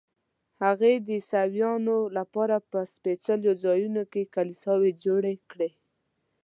هغې د عیسویانو لپاره په سپېڅلو ځایونو کې کلیساوې جوړې کړې.